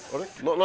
何？